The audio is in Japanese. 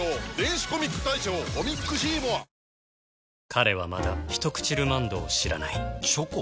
彼はまだ「ひとくちルマンド」を知らないチョコ？